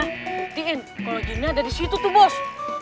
rutin kalo jinnya ada disitu tuh bos